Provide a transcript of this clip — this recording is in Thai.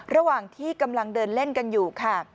ระหว่างที่กำลังเดินเล่นกันอยู่ค่ะ